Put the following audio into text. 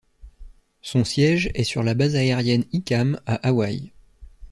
Son siège est sur la base aérienne Hickam à Hawaï.